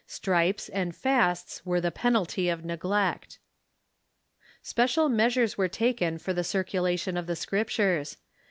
Stripes and fasts were the penalty of neglect. Special measures were taken for the cii'culation of the Script ures.